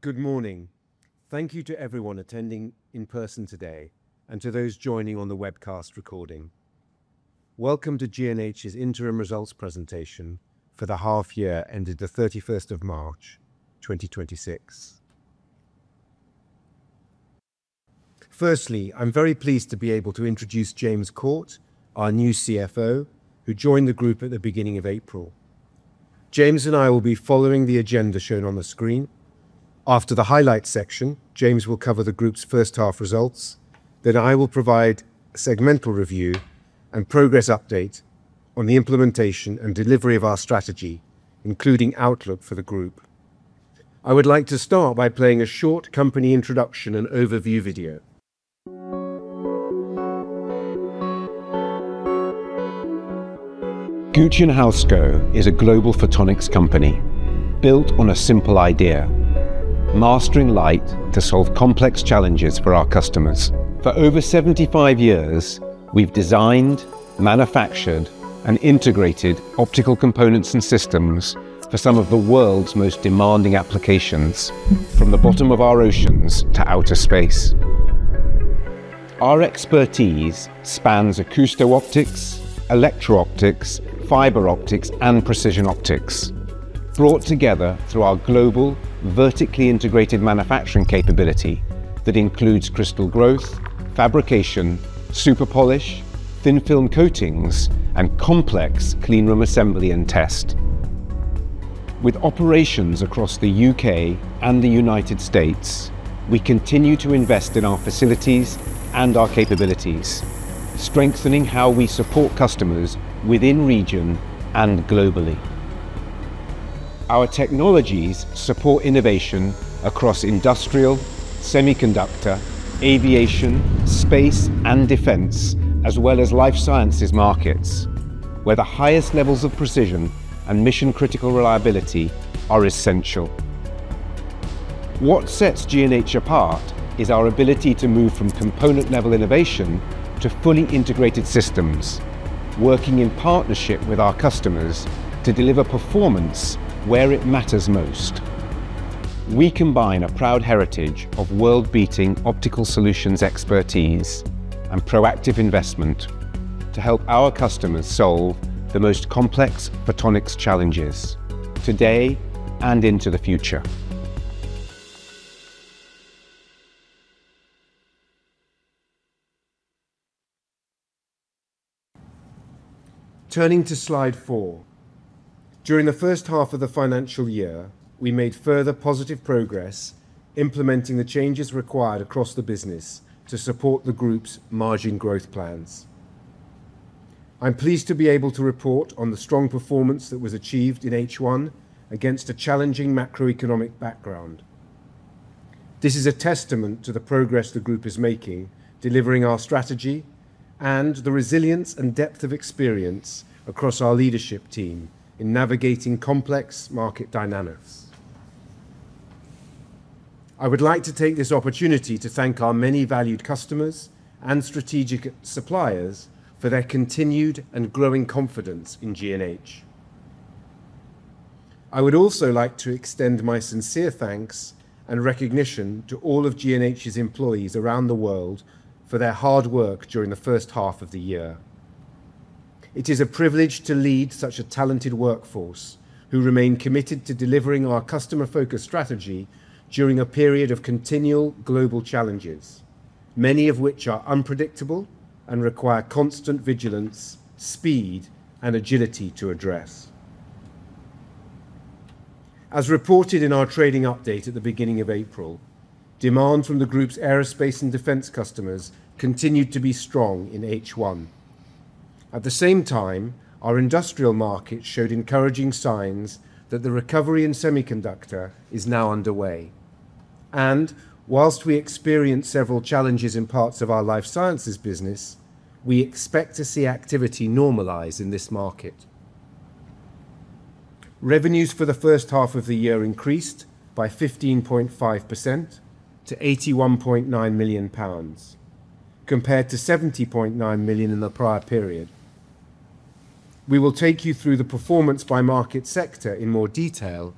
Good morning. Thank you to everyone attending in person today and to those joining on the webcast recording. Welcome to G&H's interim results presentation for the half year ended the 31st of March 2026. Firstly, I'm very pleased to be able to introduce James Corte, our new CFO, who joined the group at the beginning of April. James and I will be following the agenda shown on the screen. After the highlights section, James will cover the group's first half results. Then I will provide a segmental review and progress update on the implementation and delivery of our strategy, including outlook for the group. I would like to start by playing a short company introduction and overview video. Gooch & Housego is a global photonics company built on a simple idea, mastering light to solve complex challenges for our customers. For over 75 years, we've designed, manufactured, and integrated optical components and systems for some of the world's most demanding applications, from the bottom of our oceans to outer space. Our expertise spans acousto-optics, electro-optics, fiber optics, and precision optics, brought together through our global, vertically integrated manufacturing capability that includes crystal growth, fabrication, super polish, thin-film coatings, and complex clean room assembly and test. With operations across the U.K. and the United States, we continue to invest in our facilities and our capabilities, strengthening how we support customers within region and globally. Our technologies support innovation across industrial, semiconductor, aviation, space, and defense, as well as life sciences markets, where the highest levels of precision and mission-critical reliability are essential. What sets G&H apart is our ability to move from component level innovation to fully integrated systems, working in partnership with our customers to deliver performance where it matters most. We combine a proud heritage of world-beating optical solutions expertise and proactive investment to help our customers solve the most complex photonics challenges today and into the future. Turning to slide four. During the first half of the financial year, we made further positive progress implementing the changes required across the business to support the group's margin growth plans. I'm pleased to be able to report on the strong performance that was achieved in H1 against a challenging macroeconomic background. This is a testament to the progress the group is making, delivering our strategy and the resilience and depth of experience across our leadership team in navigating complex market dynamics. I would like to take this opportunity to thank our many valued customers and strategic suppliers for their continued and growing confidence in G&H. I would also like to extend my sincere thanks and recognition to all of G&H's employees around the world for their hard work during the first half of the year. It is a privilege to lead such a talented workforce who remain committed to delivering our customer-focused strategy during a period of continual global challenges, many of which are unpredictable and require constant vigilance, speed, and agility to address. As reported in our trading update at the beginning of April, demand from the group's aerospace and defense customers continued to be strong in H1. At the same time, our industrial market showed encouraging signs that the recovery in semiconductor is now underway. Whilst we experienced several challenges in parts of our life sciences business, we expect to see activity normalize in this market. Revenues for the first half of the year increased by 15.5% to 81.9 million pounds, compared to 70.9 million in the prior period. We will take you through the performance by market sector in more detail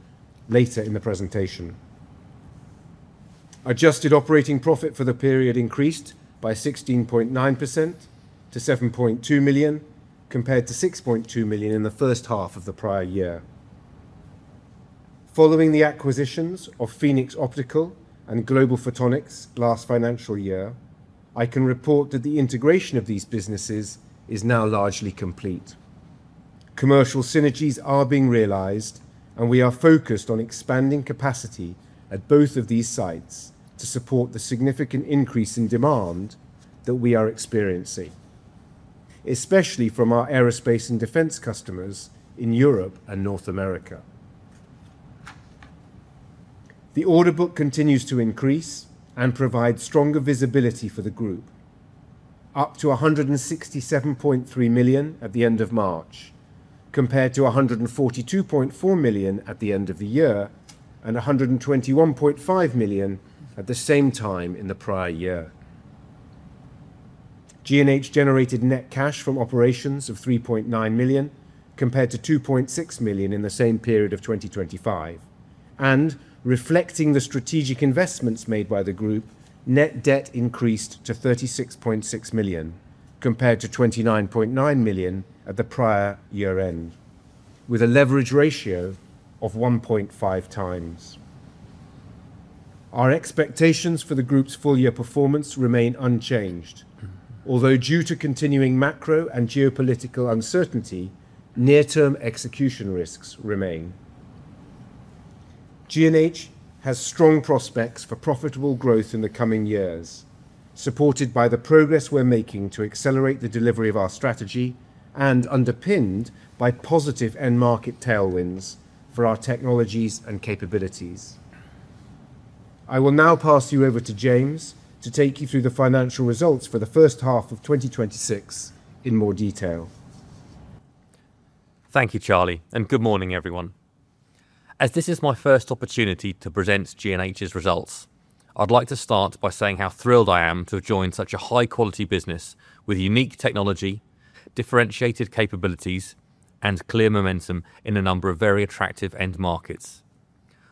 later in the presentation. Adjusted operating profit for the period increased by 16.9% to 7.2 million, compared to 6.2 million in the first half of the prior year. Following the acquisitions of Phoenix Optical and Global Photonics last financial year, I can report that the integration of these businesses is now largely complete. Commercial synergies are being realized, and we are focused on expanding capacity at both of these sites to support the significant increase in demand that we are experiencing, especially from our aerospace and defense customers in Europe and North America. The order book continues to increase and provide stronger visibility for the group, up to 167.3 million at the end of March, compared to 142.4 million at the end of the year and 121.5 million at the same time in the prior year. G&H generated net cash from operations of 3.9 million, compared to 2.6 million in the same period of 2025. Reflecting the strategic investments made by the group, net debt increased to 36.6 million, compared to 29.9 million at the prior year-end, with a leverage ratio of 1.5x. Our expectations for the group's full-year performance remain unchanged. Although due to continuing macro and geopolitical uncertainty, near-term execution risks remain. G&H has strong prospects for profitable growth in the coming years, supported by the progress we're making to accelerate the delivery of our strategy and underpinned by positive end market tailwinds for our technologies and capabilities. I will now pass you over to James to take you through the financial results for the first half of 2026 in more detail. Thank you, Charlie, and good morning, everyone. As this is my first opportunity to present G&H's results, I'd like to start by saying how thrilled I am to have joined such a high-quality business with unique technology, differentiated capabilities, and clear momentum in a number of very attractive end markets.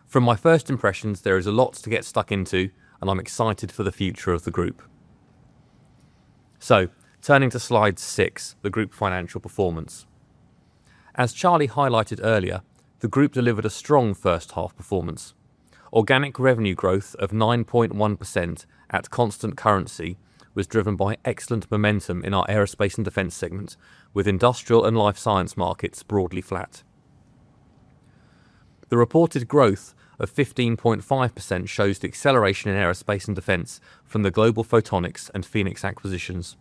From my first impressions, there is a lot to get stuck into, and I'm excited for the future of the group. Turning to slide six, the group financial performance. As Charlie highlighted earlier, the group delivered a strong first half performance. Organic revenue growth of 9.1% at constant currency was driven by excellent momentum in our aerospace and defense segment, with industrial and life science markets broadly flat. The reported growth of 15.5% shows the acceleration in aerospace and defense from the Global Photonics and Phoenix acquisitions.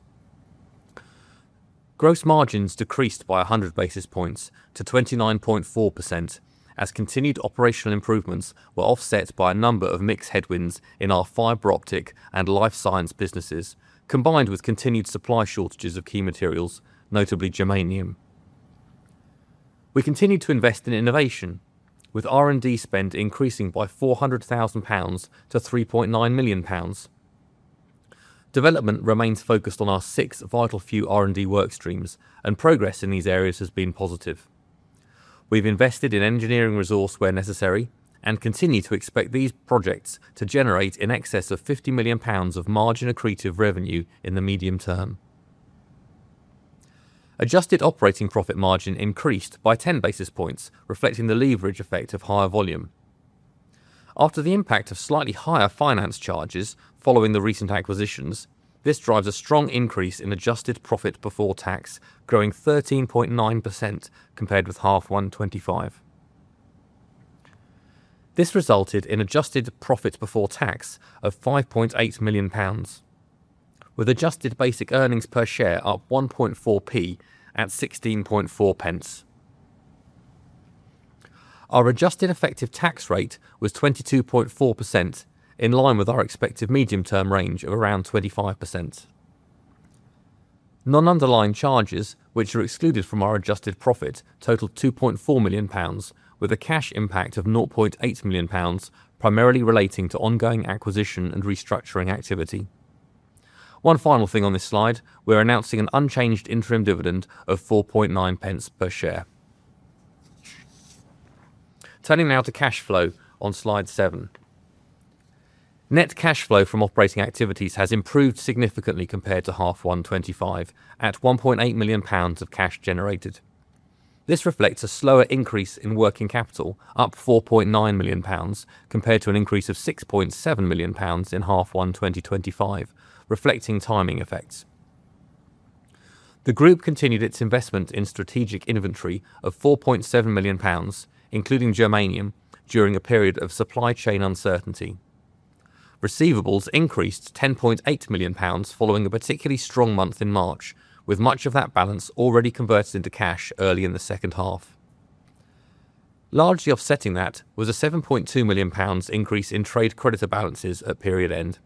Gross margins decreased by 100 basis points to 29.4% as continued operational improvements were offset by a number of mixed headwinds in our fiber optics and life science businesses, combined with continued supply shortages of key materials, notably germanium. We continued to invest in innovation with R&D spend increasing by 400,000 pounds to 3.9 million pounds. Development remains focused on our six vital few R&D work streams, and progress in these areas has been positive. We've invested in engineering resource where necessary and continue to expect these projects to generate in excess of 50 million pounds of margin-accretive revenue in the medium term. Adjusted operating profit margin increased by 10 basis points, reflecting the leverage effect of higher volume. After the impact of slightly higher finance charges following the recent acquisitions, this drives a strong increase in adjusted profit before tax, growing 13.9% compared with H1 2025. This resulted in adjusted profits before tax of 5.8 million pounds, with adjusted basic earnings per share up 0.014 at 0.164. Our adjusted effective tax rate was 22.4%, in line with our expected medium-term range of around 25%. Non-underlying charges, which are excluded from our adjusted profit, totaled 2.4 million pounds, with a cash impact of 0.8 million pounds, primarily relating to ongoing acquisition and restructuring activity. One final thing on this slide, we're announcing an unchanged interim dividend of 0.049 per share. Turning now to cash flow on slide seven. Net cash flow from operating activities has improved significantly compared to H1 2025 at 1.8 million pounds of cash generated. This reflects a slower increase in working capital, up 4.9 million pounds compared to an increase of 6.7 million pounds in H1 2025, reflecting timing effects. The group continued its investment in strategic inventory of 4.7 million pounds, including germanium, during a period of supply chain uncertainty. Receivables increased 10.8 million pounds following a particularly strong month in March, with much of that balance already converted into cash early in the second half. Largely offsetting that was a 7.2 million pounds increase in trade creditor balances at period end.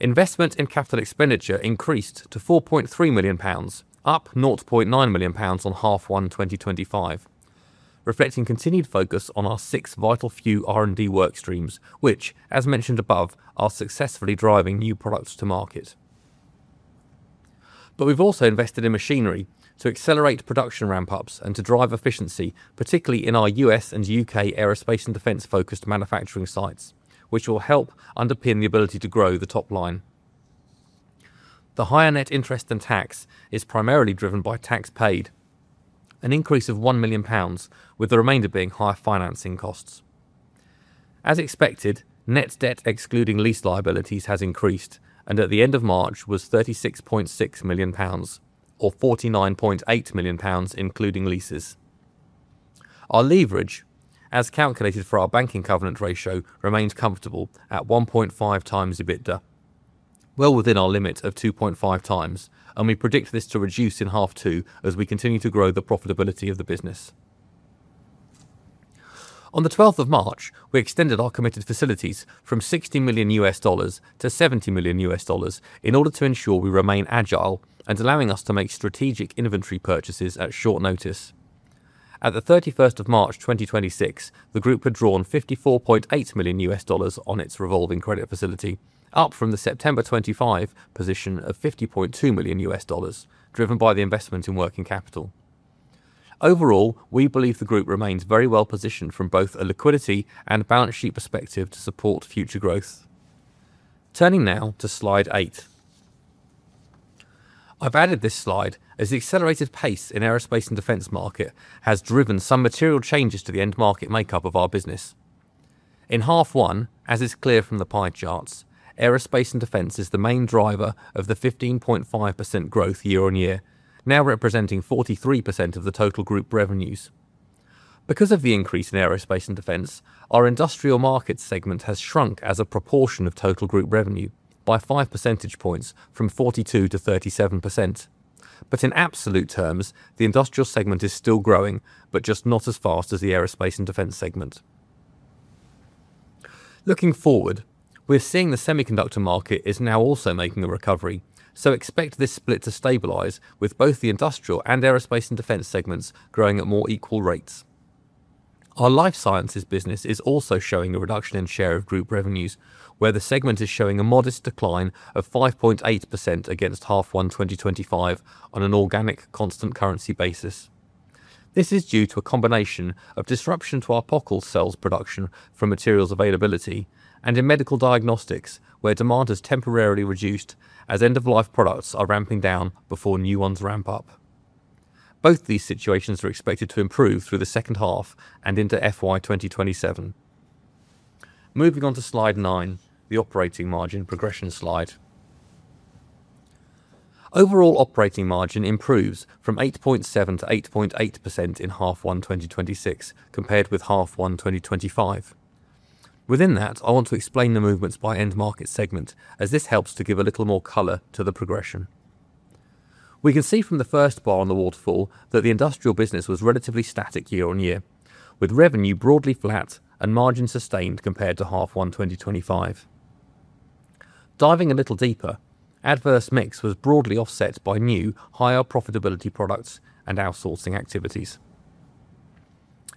Investment in capital expenditure increased to GBP 4.3 million, up GBP 0.9 million on H1 2025, reflecting continued focus on our six vital few R&D work streams, which, as mentioned above, are successfully driving new products to market. We've also invested in machinery to accelerate production ramp-ups and to drive efficiency, particularly in our U.S. and U.K. aerospace and defense-focused manufacturing sites, which will help underpin the ability to grow the top line. The higher net interest and tax is primarily driven by tax paid, an increase of 1 million pounds, with the remainder being higher financing costs. As expected, net debt excluding lease liabilities has increased, and at the end of March was 36.6 million pounds or 49.8 million pounds including leases. Our leverage, as calculated for our banking covenant ratio, remains comfortable at 1.5x EBITDA, well within our limit of 2.5x, and we predict this to reduce in half two as we continue to grow the profitability of the business. On the 12th of March, we extended our committed facilities from $60 million to $70 million in order to ensure we remain agile and allowing us to make strategic inventory purchases at short notice. At the 31st of March 2026, the group had drawn $54.8 million on its revolving credit facility, up from the September 2025 position of $50.2 million, driven by the investment in working capital. Overall, we believe the group remains very well-positioned from both a liquidity and balance sheet perspective to support future growth. Turning now to slide eight. I've added this slide as the accelerated pace in aerospace and defense market has driven some material changes to the end market makeup of our business. In half one, as is clear from the pie charts, aerospace and defense is the main driver of the 15.5% growth year-on-year, now representing 43% of the total group revenues. Because of the increase in aerospace and defense, our industrial markets segment has shrunk as a proportion of total group revenue by 5 percentage points from 42% to 37%. In absolute terms, the industrial segment is still growing, but just not as fast as the aerospace and defense segment. Looking forward, we're seeing the semiconductor market is now also making a recovery, so expect this split to stabilize with both the industrial and aerospace and defense segments growing at more equal rates. Our life sciences business is also showing a reduction in share of group revenues, where the segment is showing a modest decline of 5.8% against H1 2025 on an organic constant currency basis. This is due to a combination of disruption to our Pockels cells production from materials availability and in medical diagnostics, where demand has temporarily reduced as end-of-life products are ramping down before new ones ramp up. Both these situations are expected to improve through the second half and into FY 2027. Moving on to slide nine, the operating margin progression slide. Overall operating margin improves from 8.7% to 8.8% in half one 2026 compared with half one 2025. Within that, I want to explain the movements by end market segment, as this helps to give a little more color to the progression. We can see from the first bar on the waterfall that the industrial business was relatively static year-on-year, with revenue broadly flat and margin sustained compared to half one 2025. Diving a little deeper, adverse mix was broadly offset by new, higher profitability products and outsourcing activities.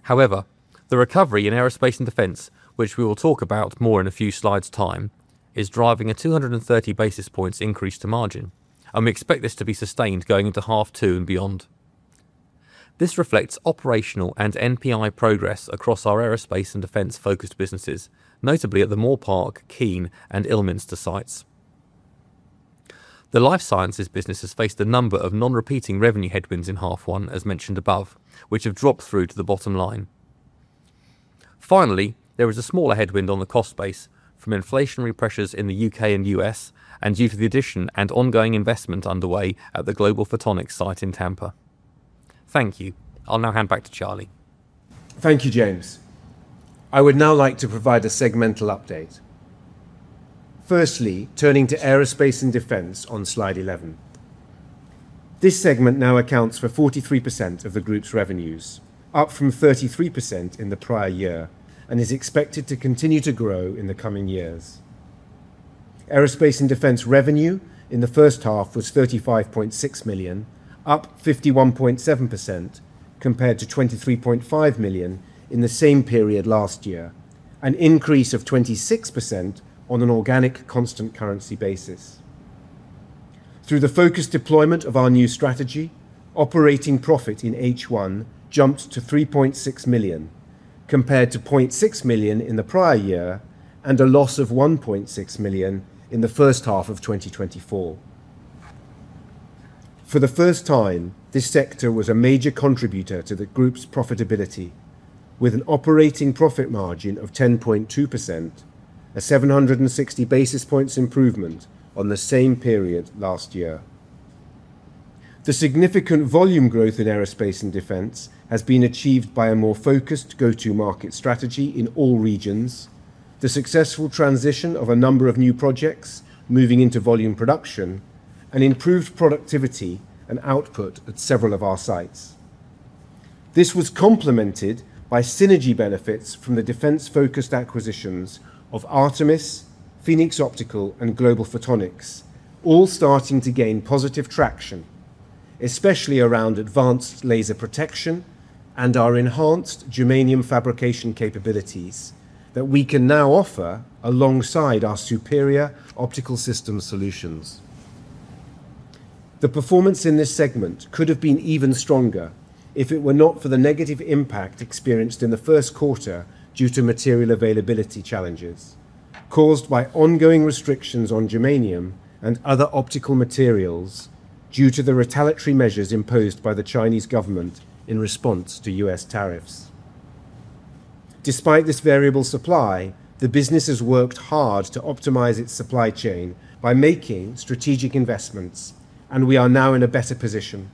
However, the recovery in aerospace and defense, which we will talk about more in a few slides' time, is driving a 230 basis points increase to margin, and we expect this to be sustained going into half two and beyond. This reflects operational and NPI progress across our aerospace and defense-focused businesses, notably at the Moorpark, Keene, and Ilminster sites. The life sciences business has faced a number of non-repeating revenue headwinds in half one, as mentioned above, which have dropped through to the bottom line. Finally, there is a smaller headwind on the cost base from inflationary pressures in the U.K. and U.S. and due to the addition and ongoing investment underway at the Global Photonics site in Tampa. Thank you. I'll now hand back to Charlie. Thank you, James. I would now like to provide a segmental update. Firstly, turning to aerospace and defense on slide 11. This segment now accounts for 43% of the group's revenues, up from 33% in the prior year, and is expected to continue to grow in the coming years. Aerospace and defense revenue in the first half was 35.6 million, up 51.7%, compared to 23.5 million in the same period last year, an increase of 26% on an organic constant currency basis. Through the focused deployment of our new strategy, operating profit in H1 jumped to 3.6 million, compared to 0.6 million in the prior year and a loss of 1.6 million in the first half of 2024. For the first time, this sector was a major contributor to the group's profitability with an operating profit margin of 10.2%, a 760 basis points improvement on the same period last year. The significant volume growth in aerospace and defense has been achieved by a more focused go-to market strategy in all regions, the successful transition of a number of new projects moving into volume production, and improved productivity and output at several of our sites. This was complemented by synergy benefits from the defense-focused acquisitions of Artemis, Phoenix Optical, and Global Photonics, all starting to gain positive traction, especially around advanced laser protection and our enhanced germanium fabrication capabilities that we can now offer alongside our superior optical system solutions. The performance in this segment could have been even stronger if it were not for the negative impact experienced in the first quarter due to material availability challenges caused by ongoing restrictions on germanium and other optical materials due to the retaliatory measures imposed by the Chinese government in response to U.S. tariffs. Despite this variable supply, the business has worked hard to optimize its supply chain by making strategic investments, and we are now in a better position.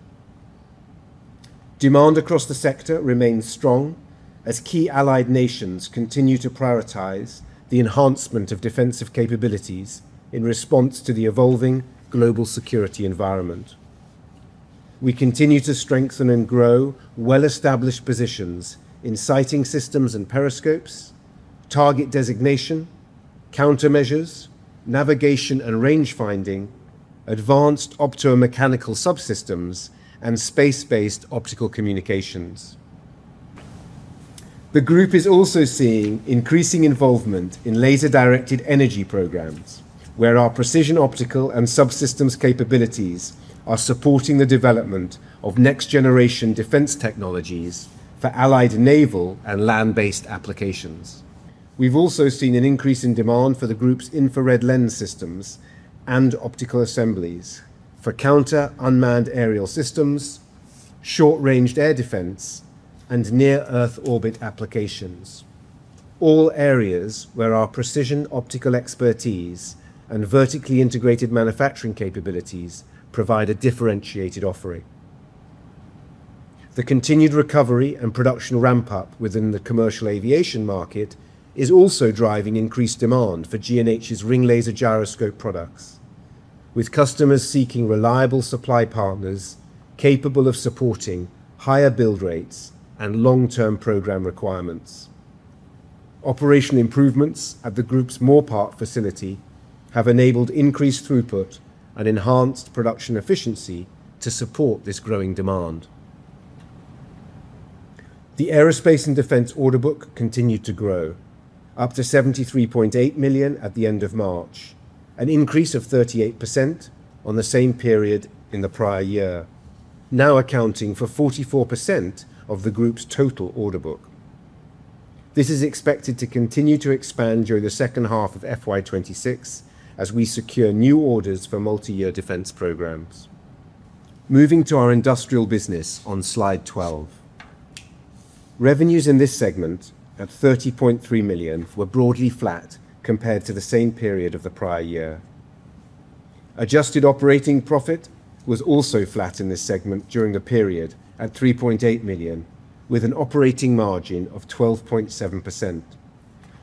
Demand across the sector remains strong as key allied nations continue to prioritize the enhancement of defensive capabilities in response to the evolving global security environment. We continue to strengthen and grow well-established positions in sighting systems and periscopes, target designation countermeasures, navigation and range finding, advanced optomechanical subsystems, and space-based optical communications. The group is also seeing increasing involvement in laser-directed energy programs, where our precision optical and subsystems capabilities are supporting the development of next-generation defense technologies for allied naval and land-based applications. We've also seen an increase in demand for the group's infrared lens systems and optical assemblies for counter-unmanned aerial systems, short-ranged air defense, and near-Earth orbit applications, all areas where our precision optical expertise and vertically integrated manufacturing capabilities provide a differentiated offering. The continued recovery and production ramp-up within the commercial aviation market is also driving increased demand for G&H's ring laser gyroscope products, with customers seeking reliable supply partners capable of supporting higher build rates and long-term program requirements. Operational improvements at the group's Moorpark facility have enabled increased throughput and enhanced production efficiency to support this growing demand. The aerospace and defense order book continued to grow, up to 73.8 million at the end of March, an increase of 38% on the same period in the prior year, now accounting for 44% of the group's total order book. This is expected to continue to expand during the second half of FY 2026, as we secure new orders for multi-year defense programs. Moving to our industrial business on slide 12. Revenues in this segment, at 30.3 million, were broadly flat compared to the same period of the prior year. Adjusted operating profit was also flat in this segment during the period, at 3.8 million, with an operating margin of 12.7%,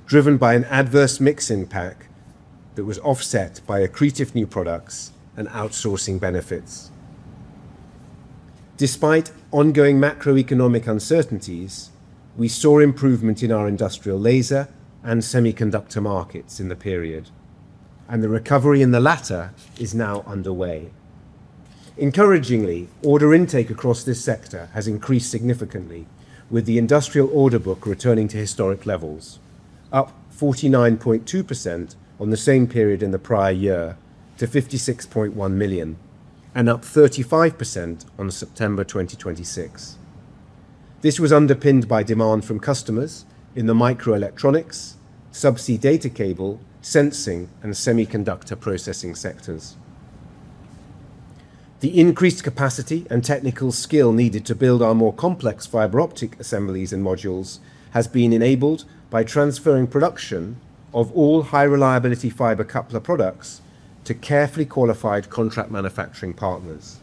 driven by an adverse mix impact that was offset by accretive new products and outsourcing benefits. Despite ongoing macroeconomic uncertainties, we saw improvement in our industrial laser and semiconductor markets in the period, and the recovery in the latter is now underway. Encouragingly, order intake across this sector has increased significantly with the industrial order book returning to historic levels, up 49.2% on the same period in the prior year to 56.1 million, and up 35% on September 2025. This was underpinned by demand from customers in the microelectronics, subsea data cable, sensing, and semiconductor processing sectors. The increased capacity and technical skill needed to build our more complex fiber optic assemblies and modules has been enabled by transferring production of all high-reliability fiber coupler products to carefully qualified contract manufacturing partners.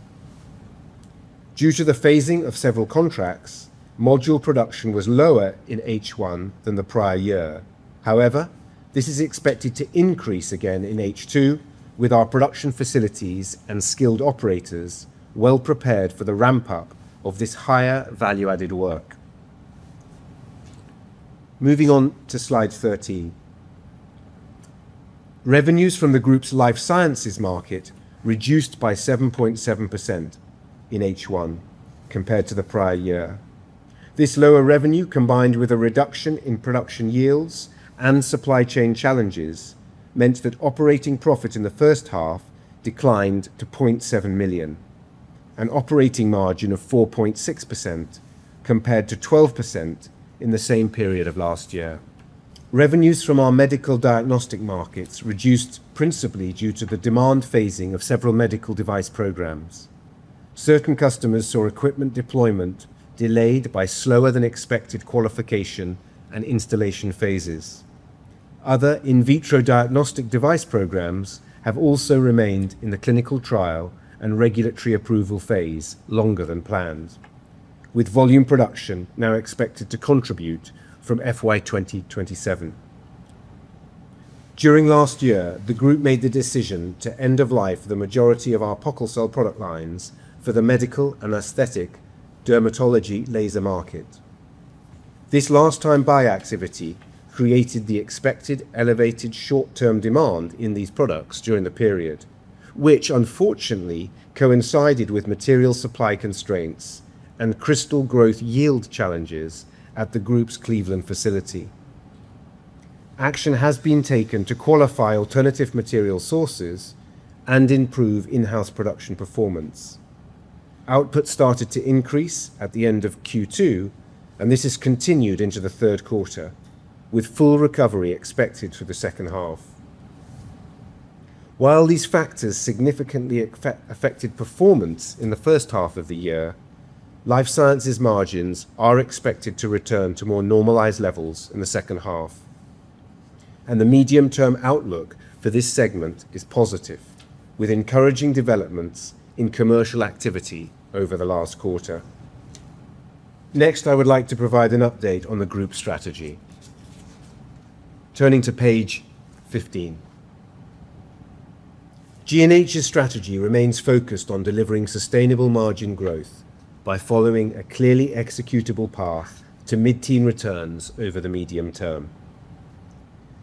Due to the phasing of several contracts, module production was lower in H1 than the prior year. However, this is expected to increase again in H2 with our production facilities and skilled operators well prepared for the ramp-up of this higher value-added work. Moving on to slide 13. Revenues from the group's life sciences market reduced by 7.7% in H1 compared to the prior year. This lower revenue, combined with a reduction in production yields and supply chain challenges, meant that operating profit in the first half declined to 0.7 million, an operating margin of 4.6% compared to 12% in the same period of last year. Revenues from our medical diagnostic markets reduced principally due to the demand phasing of several medical device programs. Certain customers saw equipment deployment delayed by slower than expected qualification and installation phases. Other in vitro diagnostic device programs have also remained in the clinical trial and regulatory approval phase longer than planned, with volume production now expected to contribute from FY 2027. During last year, the group made the decision to end of life the majority of our Pockels Cell product lines for the medical and aesthetic dermatology laser market. This last time buy activity created the expected elevated short-term demand in these products during the period, which unfortunately coincided with material supply constraints and crystal growth yield challenges at the group's Cleveland facility. Action has been taken to qualify alternative material sources and improve in-house production performance. Output started to increase at the end of Q2, and this has continued into the third quarter, with full recovery expected for the second half. While these factors significantly affected performance in the first half of the year, life sciences margins are expected to return to more normalized levels in the second half, and the medium-term outlook for this segment is positive with encouraging developments in commercial activity over the last quarter. Next, I would like to provide an update on the group strategy. Turning to page 15. G&H's strategy remains focused on delivering sustainable margin growth by following a clearly executable path to mid-teen returns over the medium term.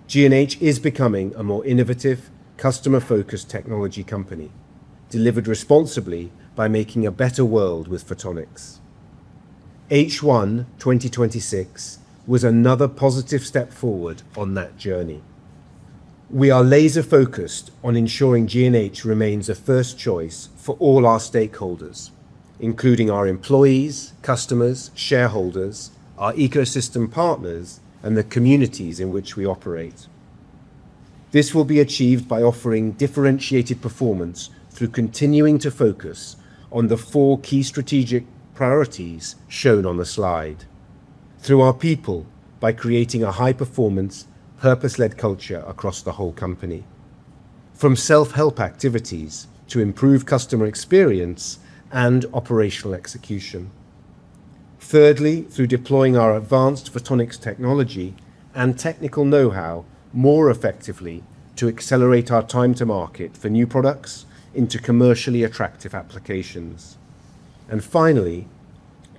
G&H is becoming a more innovative, customer-focused technology company, delivered responsibly by making a better world with photonics. H1 2026 was another positive step forward on that journey. We are laser-focused on ensuring G&H remains a first choice for all our stakeholders, including our employees, customers, shareholders, our ecosystem partners, and the communities in which we operate. This will be achieved by offering differentiated performance through continuing to focus on the four key strategic priorities shown on the slide. Through our people by creating a high-performance, purpose-led culture across the whole company. From self-help activities to improve customer experience and operational execution. Thirdly, through deploying our advanced photonics technology and technical know-how more effectively to accelerate our time to market for new products into commercially attractive applications. Finally,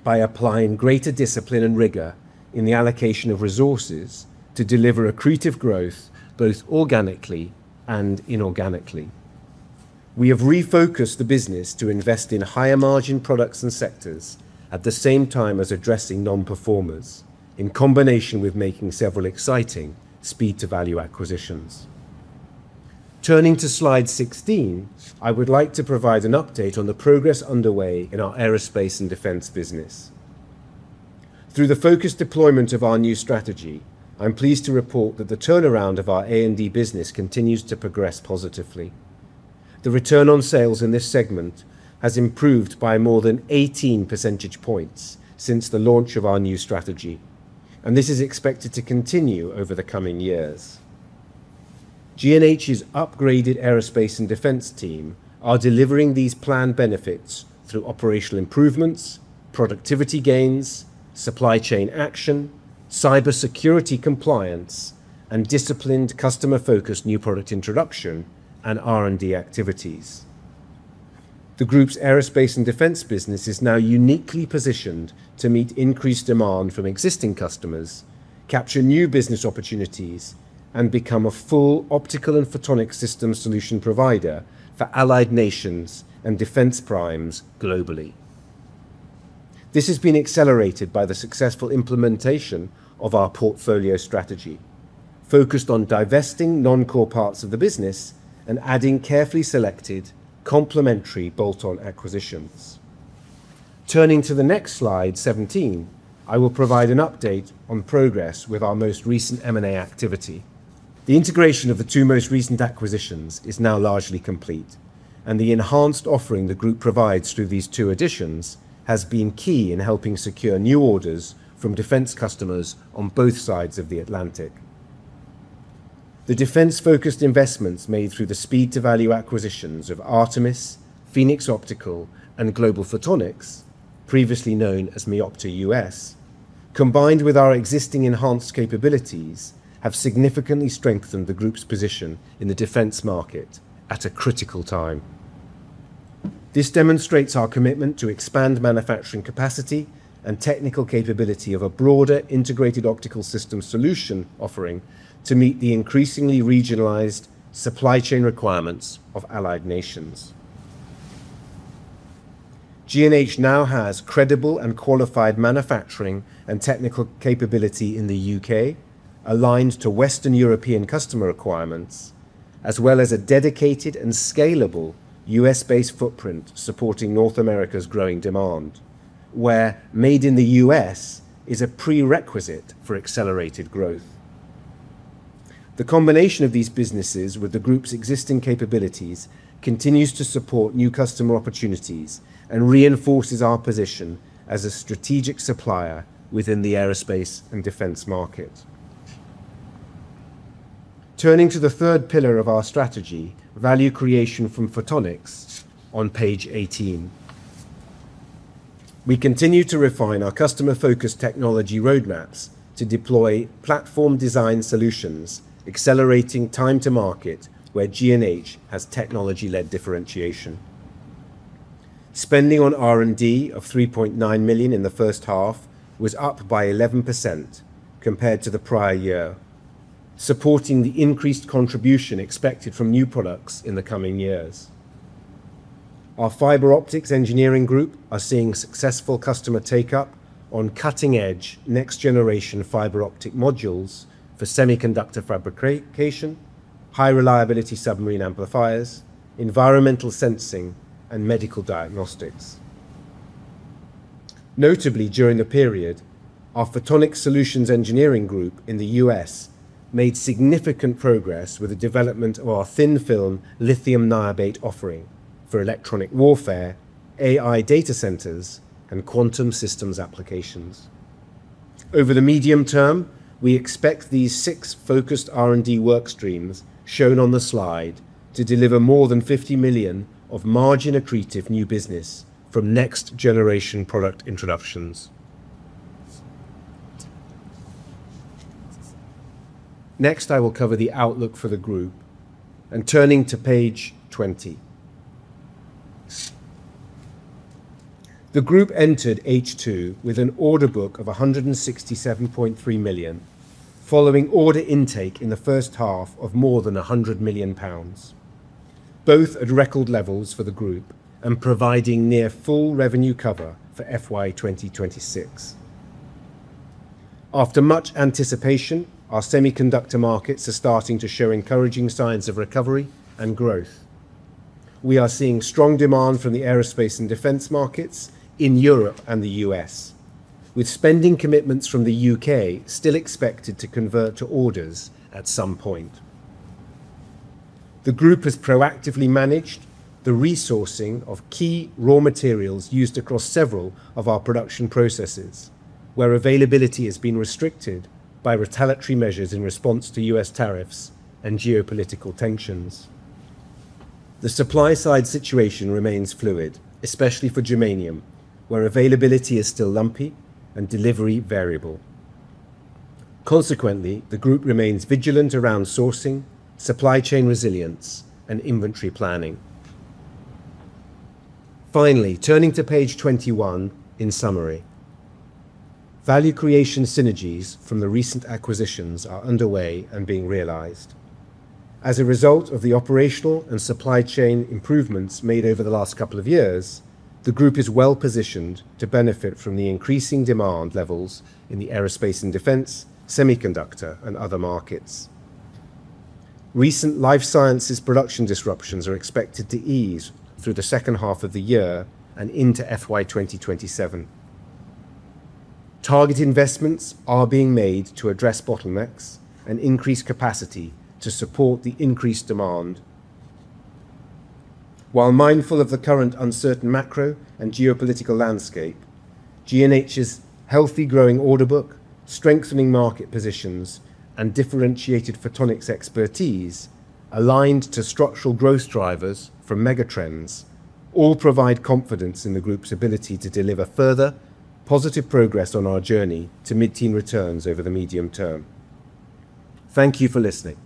by applying greater discipline and rigor in the allocation of resources to deliver accretive growth, both organically and inorganically. We have refocused the business to invest in higher margin products and sectors at the same time as addressing non-performers, in combination with making several exciting speed to value acquisitions. Turning to slide 16, I would like to provide an update on the progress underway in our aerospace and defense business. Through the focused deployment of our new strategy, I'm pleased to report that the turnaround of our A&D business continues to progress positively. The return on sales in this segment has improved by more than 18 percentage points since the launch of our new strategy. This is expected to continue over the coming years. G&H's upgraded aerospace and defense team are delivering these planned benefits through operational improvements, productivity gains, supply chain action, cybersecurity compliance, and disciplined customer-focused new product introduction and R&D activities. The group's aerospace and defense business is now uniquely positioned to meet increased demand from existing customers, capture new business opportunities, and become a full optical and photonic system solution provider for allied nations and defense primes globally. This has been accelerated by the successful implementation of our portfolio strategy, focused on divesting non-core parts of the business and adding carefully selected complementary bolt-on acquisitions. Turning to the next slide, 17, I will provide an update on progress with our most recent M&A activity. The integration of the two most recent acquisitions is now largely complete, and the enhanced offering the group provides through these two additions has been key in helping secure new orders from defense customers on both sides of the Atlantic. The defense-focused investments made through the speed to value acquisitions of Artemis, Phoenix Optical, and Global Photonics, previously known as Meopta USA, combined with our existing enhanced capabilities, have significantly strengthened the group's position in the defense market at a critical time. This demonstrates our commitment to expand manufacturing capacity and technical capability of a broader integrated optical system solution offering to meet the increasingly regionalized supply chain requirements of allied nations. G&H now has credible and qualified manufacturing and technical capability in the U.K., aligned to Western European customer requirements, as well as a dedicated and scalable U.S.-based footprint supporting North America's growing demand, where made in the U.S. is a prerequisite for accelerated growth. The combination of these businesses with the group's existing capabilities continues to support new customer opportunities and reinforces our position as a strategic supplier within the aerospace and defense market. Turning to the third pillar of our strategy, value creation from photonics, on page 18. We continue to refine our customer-focused technology roadmaps to deploy platform design solutions, accelerating time to market where G&H has technology-led differentiation. Spending on R&D of 3.9 million in the first half was up by 11% compared to the prior year, supporting the increased contribution expected from new products in the coming years. Our fiber optics engineering group are seeing successful customer take-up on cutting-edge next generation fiber optic modules for semiconductor fabrication, high reliability submarine amplifiers, environmental sensing, and medical diagnostics. Notably, during the period, our photonic solutions engineering group in the U.S. made significant progress with the development of our thin-film lithium niobate offering for electronic warfare, AI data centers, and quantum systems applications. Over the medium term, we expect these six focused R&D work streams shown on the slide to deliver more than 50 million of margin accretive new business from next generation product introductions. Next I will cover the outlook for the group. Turning to page 20. The group entered H2 with an order book of 167.3 million, following order intake in the first half of more than 100 million pounds, both at record levels for the group and providing near full revenue cover for FY 2026. After much anticipation, our semiconductor markets are starting to show encouraging signs of recovery and growth. We are seeing strong demand from the aerospace and defense markets in Europe and the U.S., with spending commitments from the U.K. still expected to convert to orders at some point. The group has proactively managed the resourcing of key raw materials used across several of our production processes, where availability has been restricted by retaliatory measures in response to U.S. tariffs and geopolitical tensions. The supply side situation remains fluid, especially for germanium, where availability is still lumpy and delivery variable. Consequently, the group remains vigilant around sourcing, supply chain resilience and inventory planning. Finally, turning to page 21, in summary. Value creation synergies from the recent acquisitions are underway and being realized. As a result of the operational and supply chain improvements made over the last couple of years, the group is well-positioned to benefit from the increasing demand levels in the aerospace and defense, semiconductor and other markets. Recent life sciences production disruptions are expected to ease through the second half of the year and into FY 2027. Target investments are being made to address bottlenecks and increase capacity to support the increased demand. While mindful of the current uncertain macro and geopolitical landscape, G&H's healthy growing order book, strengthening market positions, and differentiated photonics expertise aligned to structural growth drivers from megatrends all provide confidence in the group's ability to deliver further positive progress on our journey to mid-teen returns over the medium term. Thank you for listening